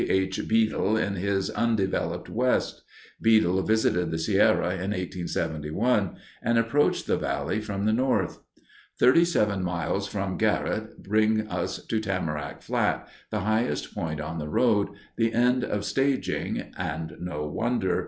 H. Beadle in his Undeveloped West. Beadle visited the Sierra in 1871 and approached the valley from the north. Thirty seven miles from Garrote bring us to Tamarack Flat, the highest point on the road, the end of staging, and no wonder.